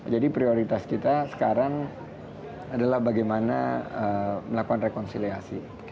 jadi prioritas kita sekarang adalah bagaimana melakukan rekonsiliasi